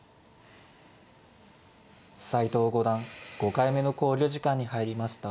斎藤五段５回目の考慮時間に入りました。